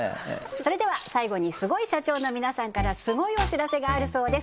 それでは最後にスゴい社長の皆さんからスゴいお知らせがあるそうです